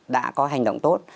đã có hành động tốt